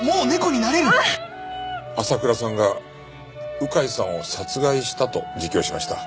朝倉さんが鵜飼さんを殺害したと自供しました。